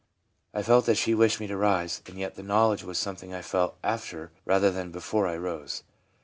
I felt that she wished me to rise, and yet the knowledge was something I felt after rather than before I rose.